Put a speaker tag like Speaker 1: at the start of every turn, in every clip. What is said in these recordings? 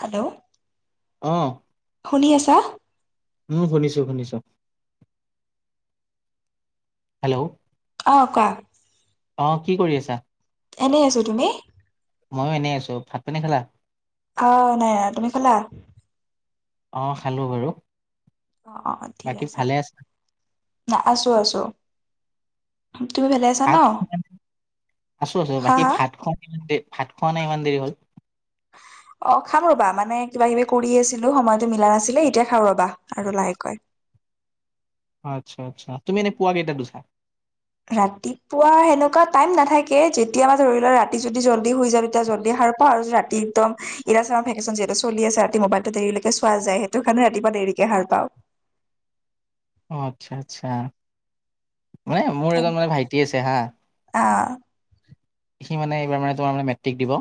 Speaker 1: Hello
Speaker 2: অ।
Speaker 1: শুনি আছা?
Speaker 2: উম শুনিছোঁ শুনিছোঁ। হেল্ল'
Speaker 1: অ কোৱা?
Speaker 2: অ কি কৰি আছা?
Speaker 1: এনেই আছোঁ। তুমি?
Speaker 2: ময়ো এনেই আছোঁ। ভাত পানী খালা?
Speaker 1: অহ নাই। তুমি খালা?
Speaker 2: অ খালোঁ বাৰু।
Speaker 1: অ অ অ ঠিক
Speaker 2: বাকী
Speaker 1: আছে।
Speaker 2: ভালে আছা?
Speaker 1: না আছো আছো। তুমি ভালে আছ-
Speaker 2: ভাত খোৱা না, আছোঁ আছোঁ
Speaker 1: হা
Speaker 2: বাকী
Speaker 1: হা
Speaker 2: ভাত খোৱাই কিমান দেই ভাত খোৱা নাই ইমান দেৰি হ'ল।
Speaker 1: অ খাম ৰবা মানে কিবা কিবি কৰিয়ে আছিলো সময়টো মিলা নাছিলে এতিয়া খাওঁ ৰবা আৰু লাহেকৈ।
Speaker 2: আচ্ছা আচ্ছা তুমি এনে পুৱা কেইটাত উঠা?
Speaker 1: ৰাতিপুৱা সেনেকুৱা টাইম নাথাকে যেতিয়া বা ধৰিলোৱা ৰাতি যদি জলদী শুই যাওঁ তেতিয়া জলদী সাৰ পাওঁ আৰু ৰা টিকদম এতিয়া চোৱা ভেকেচন যিহেতু চলিয়ে আছে ৰাতি ম'বাইলটো দেৰিলৈকে চোৱা যায় সেইটো কাৰণে ৰাতিপুৱা দেৰিকে শাৰ পাওঁ।
Speaker 2: অ আচ্ছা আচ্ছা। মানে মোৰ এজন মানে ভাইটি আছে হা
Speaker 1: অ
Speaker 2: সি মানে এইবাৰ মানে তোমাৰ মানে মেট্ৰিক দিব।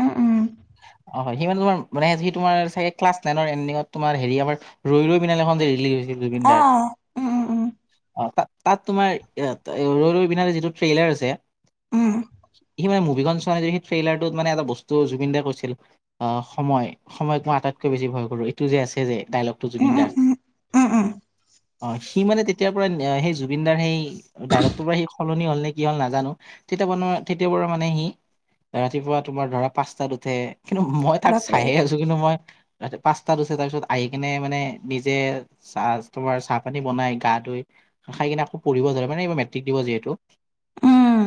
Speaker 1: উম উম
Speaker 2: অ হয়, সি মানে তোমাৰ মানে সি তোমাৰ চাগে ক্লাছ নাইনৰ এনডিঙত তোমাৰ হেৰী আমাৰ ৰৈ ৰৈ বিনালে খন যে ৰিলিজ হৈছিল জুবিন
Speaker 1: অ
Speaker 2: দাৰ,
Speaker 1: উম উম উম
Speaker 2: অহ তাত তাত তোমাৰ ৰৈ ৰৈ বিনালে যিটো ট্ৰেইলাৰ আছে,
Speaker 1: উম
Speaker 2: সি মানে মুভিখন মানে যদি সি ট্ৰেইলাৰটোত মানে এটা বস্তু জুবিনদাই কৈছিল অ সময় সময়ত মই আটাইতকৈ বেছি ভয় কৰো এইটো যে আছে যে ডাইলগটো
Speaker 1: উম
Speaker 2: জুবিন
Speaker 1: উম
Speaker 2: দাৰ
Speaker 1: উম উম উম
Speaker 2: অ সি মানে তেতিয়াৰ পৰা সেই জুবিন দাৰ সেই ডাইলগটোৰ পৰা সি সলনি হল নে কি হল নাজানো তেতিয়া পৰা নে, তেতিয়াৰ পৰা মানে সি ৰাতিপুৱা তোমাৰ ধৰা পাঁচটাত উঠে কিন্তু মই তাক
Speaker 1: বাপৰে
Speaker 2: চাইে আছো কিন্তু মই ৰাতি পাঁচটা ওছে তাৰপিছত আহি কিনে মানে নিজে চাজ তোমাৰ চাহ পানী বনাই গা ধুই খাই কিনে আকৌ পঢ়িব যায় মানে এইবাৰ মেট্ৰিক দিব যিহেতু
Speaker 1: উম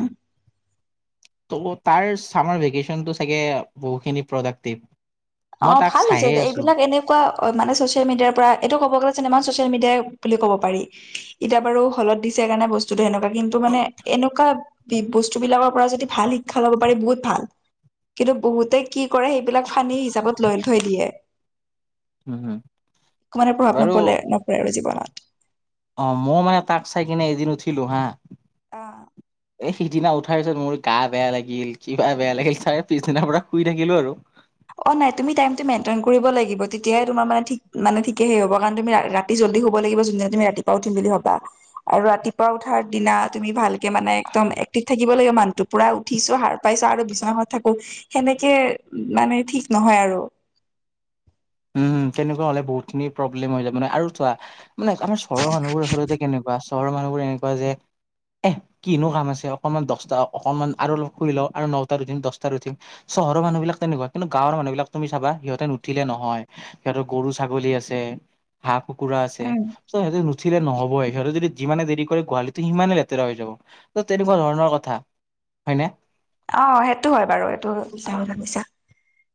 Speaker 2: ত' তাৰ চামাৰ ভেকেশচনটো চাগে বহুখিনি প্ৰডাক্টিভ
Speaker 1: অ
Speaker 2: মই তাক
Speaker 1: ভাল হৈছে
Speaker 2: চাইয়ে আছো।
Speaker 1: এইবিলাক এনে কোৱা অ মানে ছচিয়েল মিডিয়াৰ পৰা এইটো ক'ব গ'লে চিনেমা ছ'চিয়েল মিডিয়াই বুলি ক'ব পাৰি এতিয়া বাৰু হলত দিছেকাৰণে বস্তুটো সেনেকুৱা কিন্তু মানে এনেকুৱা বস্তু বিলাকৰ পৰা যদি ভাল শিক্ষা ল'ব পাৰি বহুত ভাল কিন্তু বহুতে কি কৰে সেইবিলাক ফানি হিচাপত লৈ থৈ দিয়ে
Speaker 2: উম হম।
Speaker 1: একো মানে প্ৰভাৱ
Speaker 2: বাৰু
Speaker 1: নপলে নপৰে আৰু জীৱনত
Speaker 2: অ ময়ো মানে তাক চাই কিনে এদিন উঠিলো হা
Speaker 1: অ
Speaker 2: এ সিদিনা উঠাৰ পিছত মোৰ গা বেয়া লাগিল কিবা বেয়া লাগিল তাৰে পিছদিনাৰ পৰা শুই থাকিলো আৰু
Speaker 1: অ নাই তুমি টাইমটো মেইনটেইন কৰিব লাগিব তেতিয়াই তোমাৰ মানে ঠিক, মানে ঠিকেই সেই হ'ব কাৰণ তুমি ৰা ৰা ৰাতি জল্দি হ'ব লাগিব যোনদিনা তুমি ৰাতিপুৱা উঠিম বুলি ভাবা আৰু ৰাতিপুৱা উঠাৰ দিনা তুমি ভালকে মানে একদম এক্টিভ থাকিব লাগে মানুহটোক পুৰা উঠিছো সাৰ পাইছো আৰু বিচনাখনত থাকো সেনেকে মানে ঠিক নহয় আৰু
Speaker 2: উমম তেনেকুৱা হ'লে বহুতখিনি প্ৰব্লেম হৈ যায় মানে আৰু চোৱা মানে আমাৰ চহৰ মানুহবোৰ আচলতে কেনেকুৱা চহৰ মানুহবোৰ এনেকুৱা যে এহ কিনো কাম আছে অকণমান দহটা অকণমান আৰু অলপ শুই লওঁ আৰু নটাত উঠিম দহটাত উঠিম চহৰ মানুহবিলাক তেনেকোৱা কিন্তু গাঁওৰ মানুহবিলাক তুমি চাবা সিহঁতে নঠিলে নহয় সিহঁতৰ গৰু ছাগলী আছে হাঁহ কুকুৰা আছে
Speaker 1: উম
Speaker 2: চ সিহঁতি নো উঠিলে নহবই সিহঁতে যদি যিমানে দেৰি কৰে গোহালিটো সিমানে লেতেৰা হৈ যাব ত তেনেকুৱা ধৰণৰ কথা হয়নে
Speaker 1: অ সেইটো হয় বাৰু এইটো ভাল কথা কৈছা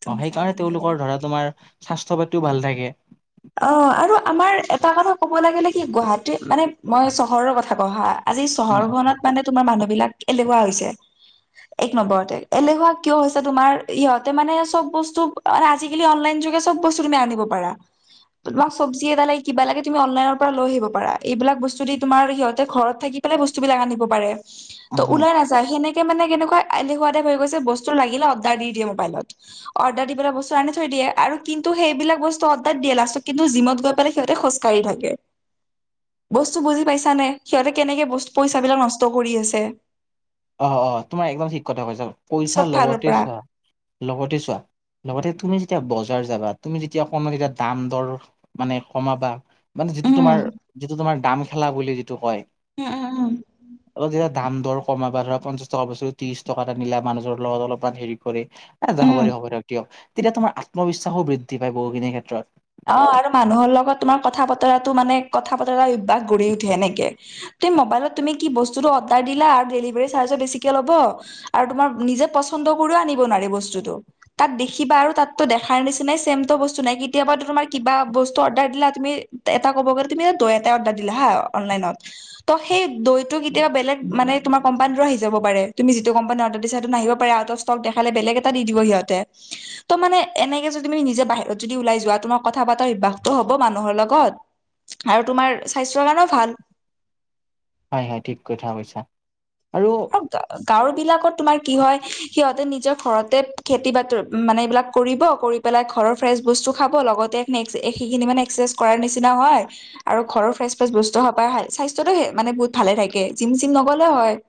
Speaker 1: তুমি
Speaker 2: অ
Speaker 1: মিছা কথা
Speaker 2: সেইকাৰণে
Speaker 1: নহয় বাৰু
Speaker 2: তেওঁলোকৰ ধৰা তোমাৰ স্বাস্থ্য পাতিও ভাল থাকে
Speaker 1: অ আৰু আমাৰ এটা কথা ক'ব লাগিলে নেকি গুৱাহাটী মানে মই চহৰৰ কথা কওঁ হা আজি
Speaker 2: উম
Speaker 1: চহৰখনত মানে তোমাৰ মানুহ বিলাক এলেহুৱা হৈছে এক নম্বৰতে এলেহুৱা কিয় হৈছে তোমাৰ ইহঁতে মানে চব বস্তু আজিকালি অনলাইন যোগে চব বস্তু তুমি আনিব পাৰা তোমাক চবজি এটা লাগে কিবা লাগে তুমি অনলাইনৰ পৰা লৈ আহিব পাৰা এইবিলাক বস্তুদি তোমাৰ সিহঁতে ঘৰত থাকি পেলাই বস্তু বিলাক আনিব পাৰে ত
Speaker 2: উম
Speaker 1: ওলাই নাযায় সেনেকে মানে কেনেকুৱা এলেহুৱা টাইপ হৈ গৈছে বস্তু লাগিলে অৰ্ডাৰ দি দিয়ে মোবাইলত অৰ্ডাৰ দি পেলায় বস্তু আনি থৈ দিয়ে আৰু কিন্তু সেইবিলাক বস্তু তাত দিয়ে, লাষ্টত কিন্তু জিমত গৈ পেলাই সিহঁতে খোজকাঢ়ি থাকে', বস্তু বুজি পাইছা নে, সিহঁতে কেনেকে বস্তু, পইচা বিলাক নষ্ট কৰি আছে',
Speaker 2: অ', - অ', তোমাৰ একদম ঠিক কথা কৈছা, পইচা
Speaker 1: চব ফালৰ
Speaker 2: লগতে
Speaker 1: পৰা
Speaker 2: চোৱা, লগতে চোৱা', লগতে তুমি যেতিয়া বজাৰ যাবা তুমি যেতিয়া অকণো যেতিয়া দাম দৰ মানে কমাবা', মানে যিটো
Speaker 1: উম
Speaker 2: তোমাৰ যিটো তোমাৰ দাম খেলা বুলি যিটো কয়
Speaker 1: উম উম উম
Speaker 2: অলপ যেতিয়া দাম দৰ কমাবা ধৰা পঞ্চাশ টকাৰ বস্তু ত্ৰিশ টকা আনিলা মানুহৰ লগত অলপমান হেৰি হ'ব দিয়ক হ'ব
Speaker 1: উম
Speaker 2: দিয়ক দিয়ক তেতিয়া তোমাৰ আত্মবিশ্বাসো বৃদ্ধি পায় বহুখিনিৰ ক্ষেত্ৰত
Speaker 1: অ', আৰু মানুহৰ লগত তোমাৰ কথা বতৰাটো মানে কথা বতৰা অভ্যয়াস গঢ়ি উঠে এনেকে', - তুমি মোবাইলত তুমি কি বস্তুটো অৰ্ডাৰ দিলা আৰু ডেলিভাৰী চাৰ্জও বেছিকে ল'ব', আৰু তোমাৰ নিজে পচন্দ কৰিও আনিব নোৱাৰে বস্তুটো', তাত দেখিবা আৰু তাততো দেখাৰ নিচিনাই চছেম তটো বস্তু নাই কেতিয়াবা', তোমাৰ কিবা বস্তু অৰ্ডাৰ দিলা তুমি এটা ক'ব গ'লে তুমি দৈ এটাই অৰ্ডাৰ দিলা হা অনলাইনত', ত', সেই দৈ টো কেতিয়াব বেলেগ মানে তোমাৰ কোম্পানীতো আহিব যাব পাৰে তুমি যিটো কোম্পানী অৰ্ডাৰ দিছা সেইটো নাহিব পাৰে আউট অফ ষ্ট', ষ্টক দেখালে বেলেগে এটা দি দিব সিহঁতে, তাৰমানে এনেকে যদি তুমি নিজে বাহিৰত ওলাই যোৱা তোমাক', কথা পাতাৰ অভ্যাসটো হ'ব মানুহৰ লগত আৰু তোমাৰ স্বাস্থ্যৰ কাৰণে ভাল',
Speaker 2: হয়', - হয়', ঠিক কথা কৈছা আৰু',
Speaker 1: অহ', গাঁওৰ বিলাকত তোমাৰ কি হয় সিহঁতে নিজৰ ঘৰতে খেতি বাতি মানে এইবিলাক কৰিব, কৰি', পেলাই, ঘৰৰ ফ্ৰেছ বস্তু খাব লগতে নে্স সেইখি', -খিনি', মানে এক্সেছ কৰাৰ নিচিনা হয় ', আৰু ঘৰৰ ফ্ৰেছ ফ্ৰেছ বস্তু হাপায় খাই স্বাস্থ্যতটোে মানে বহুত ভালে থাকে জিম চিম নগলে হয়',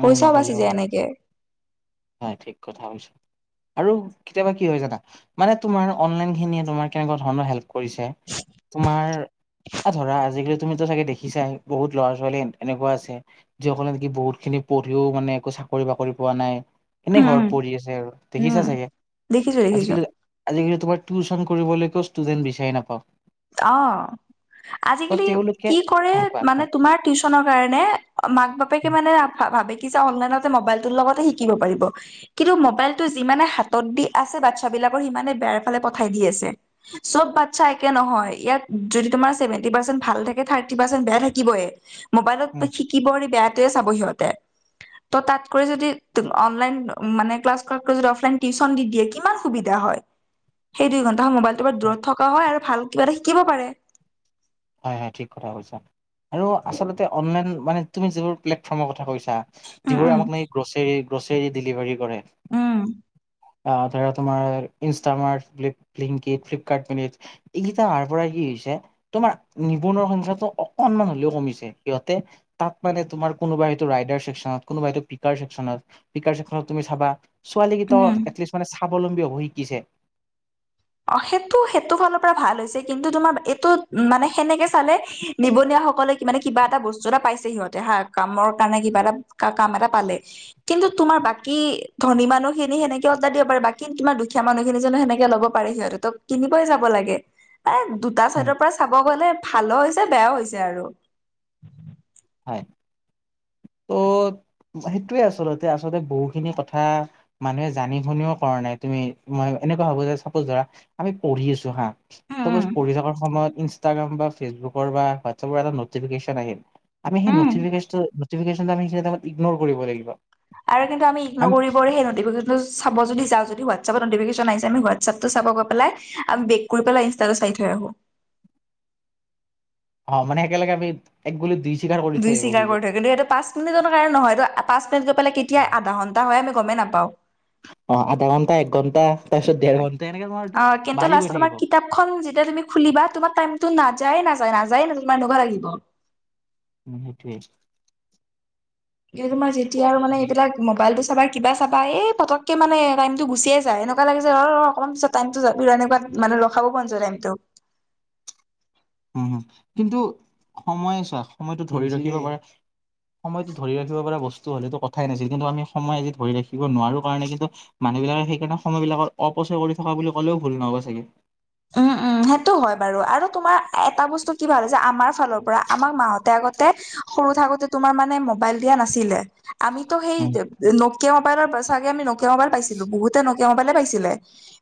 Speaker 2: উম
Speaker 1: পইচাও বাচি
Speaker 2: নগলেও
Speaker 1: যায়
Speaker 2: হয়
Speaker 1: এনেকে',
Speaker 2: হয়', ঠিক কথা কৈছা আৰু কেতিয়াবা কি হয় জানা? মানে তোমাৰ অনলাইন খিনিয়ে তোমাৰ কেনেকুৱা ধৰণৰ হেল্প কৰিছে তোমাৰ', আহ', ধৰা আজিকালি তুমিতো চাগে দেখিছা বহুত ল'ৰা ছোৱালী এনেকুৱা আছে', যিসকলে নেকি বহুত খিনি পঢ়িও মানে একো চাকৰি বাকৰি পোৱা নাই? এনে
Speaker 1: উম উম
Speaker 2: ঘৰত পঢ়ি আছে আৰু দেখিছা
Speaker 1: উম
Speaker 2: চাগে?
Speaker 1: দেখিছো দেখিছো
Speaker 2: আজিকালি', আজিকালি তোমাৰ টিউচন কৰিব লৈকেও‌ ষ্টুডেণ্ট বিচাৰি নাপাওঁ',
Speaker 1: অ',
Speaker 2: ত
Speaker 1: আজিকালি
Speaker 2: তেওঁলোকে
Speaker 1: কি কৰে
Speaker 2: অ কোৱা
Speaker 1: মানে
Speaker 2: কোৱা
Speaker 1: তোমাৰ? টিউচনৰ কাৰণে মাক বাপেকে
Speaker 2: উম
Speaker 1: মানে ভাবে কি যে অনলাইন মোবাইলটোৰ লগতে শিকিব পাৰিব', কিন্তু মোবাইলটো যিমানে হাতত দি আছে বাচ্ছা বিলাকৰ সিমানে বেয়াৰ ফালে পঠাই দি আছে', চব বাচ্ছা এক', একে নহয়, ইয়াত যদি তোমাৰ চেভেন্টি পাৰ্চেন্ট ভাল থাকে থাৰ্টি পাৰ্চেন্ট বেয়া থাকিবেই', মোবাইলত
Speaker 2: উম
Speaker 1: শিকিব বেয়াটোৱে চাব সিহঁতে', ত' তাতকৈ যদি তো', অনলাইন মানে ক্লাছ ক', -কৰাত যদি অফলাইন টিউচন দি দিয়ে কিমান সুবিধা হয়', সেই দুই ঘন্টা মোবাইলটো পৰি দূৰত থকা হয় আৰু ভাল কিবা এটা শিকিব পাৰে',
Speaker 2: হয়', - হয়, ' ঠিক কথা কৈছা আৰু আচলতে অনলাইন মানে তুমি যিবোৰ প্লেটফৰ্মৰ কথা কৈছা?
Speaker 1: উম
Speaker 2: যিবোৰে
Speaker 1: উম
Speaker 2: আমাক মানে গ্ৰচেৰী গ্ৰচেৰী ডেলিভাৰী', কৰে,
Speaker 1: উম
Speaker 2: আহ', ধৰা তোমাৰ', Instamart, flip, Blinkit, Flipkart minute, এইকেইটা আহাৰ পৰা কি হৈছে', তোমাৰ নিবনুৱা সংখ্যটো অকনমান হ'লেও কমিছে সিহঁতে', তাত মানে তোমাৰ কোবা হয়েইটো ৰাইডাৰ ছেকশনত কোনোবা হয়টো পিকাৰ ছেকশনত', পিকাৰ ছেকশনত‌ তুমি চাবা ছোৱালী কেইটাও
Speaker 1: উম
Speaker 2: এটলিষ্ট মানে স্বাৱলম্বী হ'ব শিকিছে',
Speaker 1: অ', সেইটো-সেইটো ফালৰ পৰা ভাল হৈছে কিন্তু তোমাৰ এইটো মানে সেনেকে চালে', নিবনুৱাসকলে মানে কিবা এটা বস্তু এটা পাইছে সিহঁতে হা কামৰ কাৰণে কিবা এটা', কা', -কাম এটা পালে', কিন্তু তোমাৰ বাকী ধনী মানুহ খিনি সেনেকে অৰ্ডাৰ দিব পাৰে বাকী তোমাৰ দুখীয়া মানুহখিনি জানোঁ সেনেকে ল'ব', পাৰে সিহঁতে ত, কিনিবই যাব লাগে, এ দুটা চাইডৰ পৰা', চাব গ'লে ভালও হৈছে বেয়াও হৈছে আৰু',
Speaker 2: হয় ত, ' সেইটোৱে আচলতে- আচলতে বহুখিনি কথা', মানুহে জানি শুনিও কৰা নাই তুমি মই এনেকুৱা যে চাপজ ধৰা আমি পঢ়ি আছোঁ হা',
Speaker 1: উম
Speaker 2: চাপজ
Speaker 1: উম
Speaker 2: পঢ়ি থকাৰ সময়ত ইনষ্টাগ্ৰাম বা ফেচবুকৰ বা হোৱাটছপৰ এটা নটিফিকেশন আহিল', আমি সেই
Speaker 1: উম
Speaker 2: নথিফিকেচটো নটিফিকেশন টো আমি যেনিবা ইগনোৰ কৰিব লাগিব',
Speaker 1: আৰু কিন্তু আমি ইগ্নৰ কৰি, ওপৰ সেই নটিফিকেচন চাব যাওঁ যদি হোৱাটছাপতো নটিফিকেশন আছে আমি হোৱাটছাপতো চাব গৈ পেলাই। আমি বেক কৰি পেলাই ইনষ্টাটো চাই থৈ আহোঁ',
Speaker 2: অ', মানে একেলগে আমি একগুলিত দুই শিকাৰ কৰি
Speaker 1: দুই
Speaker 2: থৈ আহিবৰ
Speaker 1: স্বীকাৰ কৰি
Speaker 2: সুযোগ',
Speaker 1: থয় কিন্তু এইটো পা পাঁচ মিনিটৰকাৰণে নহয়ত পাঁচ মিনিট গৈপেলাই কেতিয়া আধা ঘণ্টা হয় আমি গমেই নাপাওঁ।
Speaker 2: অ আধা ঘণ্টা এক ঘণ্টা তাৰপিছত দেৰ ঘণ্টা এনেকে তোমাৰ এইটো
Speaker 1: অ' কিন্তু
Speaker 2: বাঢ়ি
Speaker 1: লাষ্টত
Speaker 2: গৈ
Speaker 1: তোমাৰ
Speaker 2: থাকিব।
Speaker 1: কিতাপখন যেতিয়া তুমি খুলিবা তোমাৰ টাইমত নযায় নাযায় নাযায় তোমাৰ এনেকুৱা লাগিব।
Speaker 2: উম সেইটোৱেই,
Speaker 1: এই তোমাৰ যেতিয়া আৰু মানে এইবিলাক। মোবাইলটো চাবা কিবা চাবা এই পটককে মানে টাইমটো গুচিয়ে যায় এনেকুৱা লাগে ৰ অকমান পিছত, টাইমটো যে তেনেকুৱা মানে ৰখাব পৰা নাযায় টাইমতটো।
Speaker 2: উম হুম কিন্তু সময়ে চোৱা সময়টো ধৰি ৰাখিব পাৰে। সময়তো ধৰি ৰাখিব পৰা বস্তু হ'লেতো কথাই নাছিল কিন্তু আমি সময় আজি ধৰি ৰাখিব নোৱাৰো কাৰণে কিন্তু, মানুহবিলাকে সেইকাৰণে সময় বিলাকত অপচয় কৰি থকা বুলি ক'লেও ভুল নহ'ব চাগে।
Speaker 1: উম উম সেইটো হয় বাৰু আৰু তোমাৰ এটা বস্তু কি ভাল যে আমাৰ ফালৰ পৰা আমাক মাহতে আগত। সৰু থাকোতে তোমাৰ মানে মবাইল দিয়া নাছিলে আমিতো সেই,
Speaker 2: উম,
Speaker 1: নকিয়া মোবাইলৰ চাগে আমি নকিয়া মবাইল পাইছিলো বহুতে নকিয়া মবাইলে পাইছিলে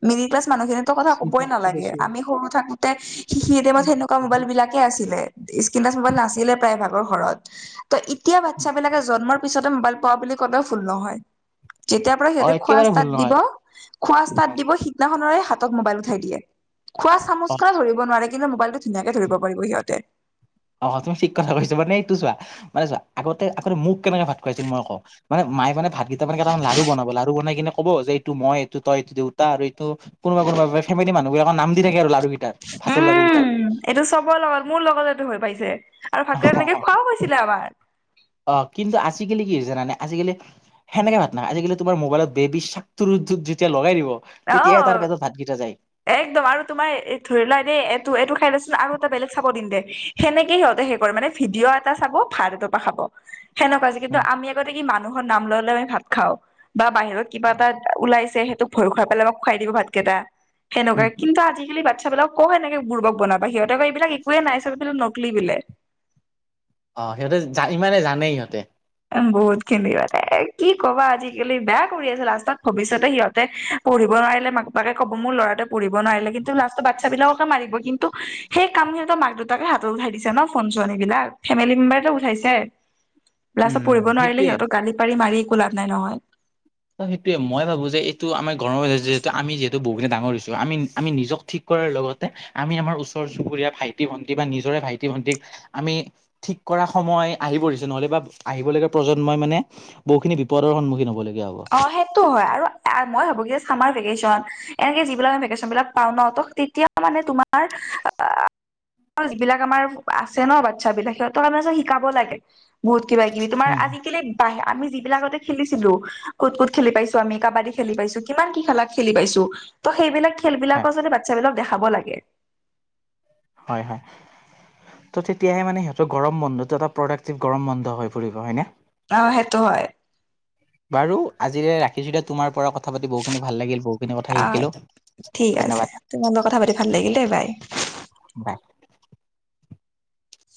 Speaker 1: মিডিল ক্লাছ মানুহখিনি। কথা ক'বই নালাগে আমি সৰু থাকোতে শিকি টাইমত সনেকুৱা মোবাইল বিলাক। আছিলে স্ক্ৰিন টাচ মোবাইল নাছিলে প্ৰায় ভাগৰ ঘৰত। ত এতিয়া বাচ্ছাবিলাকে জন্মৰ পিছতে মোবাইল পোৱা বুলি কলেও ভুল নহয়। যেতিয়া পৰা
Speaker 2: অ,
Speaker 1: সিহঁতে খোৱা
Speaker 2: একেবাৰে ভুল
Speaker 1: ষ্টাত দিব
Speaker 2: নহয়
Speaker 1: খোৱা ষ্টাত দিব সিদিনাখৰে হাতত মোবাইল উঠাই দিয়ে। খোৱা
Speaker 2: অ,
Speaker 1: চামুচ খনে ধৰিব নোৱাৰে কিন্তু মবাইলটো ধুনীয়াকে ধৰিব পাৰিব সিহঁতে।
Speaker 2: অ তুমি ঠিক কথা কৈছা মানে এইটো চোৱা মানে চোৱা আগতে আগতে মোক কেনেকে ভাত খুৱাইছিল মই কৌ, মানে মায়ে মানে ভাত কেইটামান কেইটামান লাৰু বনাব লাৰু বনাই কিনে ক'ব যে এইটো মই এইটো তই এইটো আৰু এইটো কোনোবা কোনোবা ফেমেলি মানুহবিলাক নাম দি থাকে আৰু লাৰু কেইটাৰ ভাতৰ লাৰু কেইটাক,
Speaker 1: উম এইটো চবৰ লগত মোৰ লগতটো হৈ পাইছে আৰু ভালকে এনেকে খোৱাও হৈছিলে আমাৰ।
Speaker 2: অ কিন্তু আজিকালি কি হৈছে জানানে আজিকালি। সেনেকে ভাত নাখাই আজিকালি তোমাৰ মোবাইল বেবী সক্তুৰুটোৰ যেতিয়া লগাই দিব। তেতিয়াই তাৰ
Speaker 1: অহ,
Speaker 2: পেটত ভাতকেইটা যায়।
Speaker 1: একদম আৰু তোমাৰ ধৰি লোৱা দেই এইটো এইটো খাই লচোন আৰু এটা বেলেগ চাব দিম দে। সেনেকে সিহঁতে সে কৰে মানে ভিডিঅ' এটা চাব ভাত এটোপা খাব সেনেকুৱা। কিন্তু
Speaker 2: উম,
Speaker 1: আমি আগতে কি মানুহৰ নাম লৈ লৈ আমি ভাত খাওঁ বা বাহিৰত কিবা এটা ওলাইছে সেইটো, খোৱাই পেলাই মোক খুৱাই দিব ভাতকেইটা সেনেকুৱা
Speaker 2: উম।
Speaker 1: কিন্তু আজিকালি বাচ্ছা বিলাক কওঁ সেনেকে বুৰ্বক, বনাবা সিহঁতেক এইবিলাক একোৱে নাই চববোৰ নকলি বোলে।
Speaker 2: অ সিহঁতে ইমানে জানেই সিহঁতে।
Speaker 1: উম বহুত খিনি এ কি কবা আজিকালি বেয়া কৰি আছে লাষ্টত ভৱিষ্যতে সিহঁতে। পঢ়িব নোৱাৰিলে মাক বাপাকে ক'ব মোৰ ল'ৰাটে পঢ়িব নোৱাৰিলে কিন্তু লাষ্টৰ বাচ্ছাবিলাককে মাৰিব কিন্তু, সেই কাম খিনিতো মাক দেউতাকে হাতত উঠাই দিছে ন ফোন চোৱা সেইবিলাক ফেমিলি মেম্বাৰটো উঠাইছে। লাষ্টত
Speaker 2: উম
Speaker 1: পঢ়িব নোৱাৰিলে
Speaker 2: সেইটোয়ে
Speaker 1: সিহঁতক গালি পাৰি মাৰি একো লাভ নাই নহয়।
Speaker 2: ত সেইটোৱে মই ভাবো যে এইটো আমাৰ গৰম যিহেতু আমি বহুখিন ডাঙৰ হৈছো আমি। আমি নিজক ঠিক কৰাৰ লগতে আমি আমাৰ ওচৰ চুবুৰীয়া ভাইটি ভণ্টি বা নিজৰে ভাইটি ভণ্টিক। আমি ঠিক কৰা সময় আহি পৰিছো নহলে বা আহিবলগীয়া প্ৰজন্মই মানে, বহুখিনি বিপদৰ সন্মুখীন হবলগীয়া হব।
Speaker 1: অ সেইটো হয় আৰু মই ভাবো কি যে চামাৰ ভিকেচন। এনেকে যিবিলাক আমি ভেকেচন বিলাক পাওঁ ন ত তেতিয়া মানে তোমাৰ। যিবিলাক আমাৰ আছে ন বাচ্ছ বিলাক সিহঁতক আমি শিকাব লাগে। বহুত কিবা কিবি তোমাৰ
Speaker 2: হুম, হুম,
Speaker 1: আজিকালি বাহ আমি যিবিলাকতে খেলিছিলো। কুত-কুত খেলি পাইছো আমি কাবাডী খেলি পাইছো কিমান কি খেলা খেলি পাইছো ত' সেইবিলাক খেল
Speaker 2: হয়
Speaker 1: বিলাকৰ যদি বাচ্চা বিলাকক দেখাব লাগে।
Speaker 2: হয় হয় হে এ এ এ ত' তেতিয়াহে মানে সিহঁতৰ গৰম বন্ধটো এটা প্ৰডাক্টটিভ গৰম বন্ধ হৈ পৰিব হয় না।
Speaker 1: অ সেইটো হয়।
Speaker 2: বাৰু আজিলে ৰাখিছো দে তোমাৰ পৰা কথা। কথা পাতি বহুখিনি ভাল লাগিল বহুখিনি কথা
Speaker 1: অ
Speaker 2: শিকিলোঁ
Speaker 1: ঠিক আছে
Speaker 2: ধন্যবাদ।
Speaker 1: তোমাৰ লগত কথা পাতি ভাল লাগিল দেই বাই,
Speaker 2: বাই।